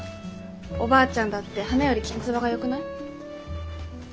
おばあちゃんだって花よりきんつばがよくない？